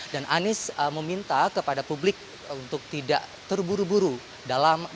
dan anies meminta kepada publik untuk tidak terburu buru dalam mengelola